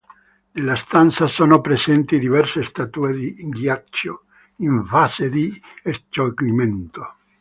Nella stanza sono presenti diverse statue di ghiaccio in fase di scioglimento.